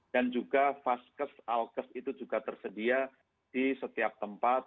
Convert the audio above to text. dan juga faskes alkes itu juga tersedia di setiap tempat